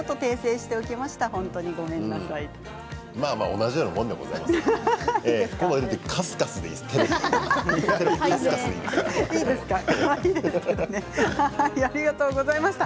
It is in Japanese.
同じようなもんでございます。